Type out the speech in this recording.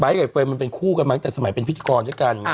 ไบได้เฟย์มันเป็นคู่กันมาตั้งแต่สมัยเป็นพิธีกรเงี้ยกันอ้า